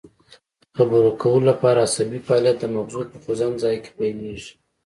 د خبرو کولو لپاره عصبي فعالیت د مغزو په خوځند ځای کې پیلیږي